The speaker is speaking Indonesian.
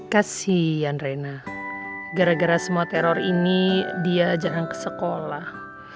kasian rena gara gara semua teror ini dia jarang ke sekolah